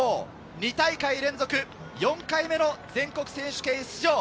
２大会連続、４回目の全国選手権出場。